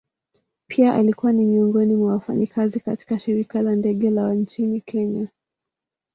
Pia alikuwa ni miongoni mwa wafanyakazi katika shirika la ndege la nchini kenya.